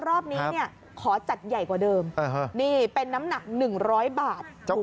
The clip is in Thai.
รอบนี้เนี้ยขอจัดใหญ่กว่าเดิมนี่เป็นน้ำหนักหนึ่งร้อยบาท